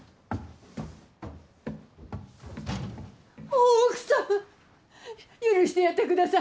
大奥さま許してやってください。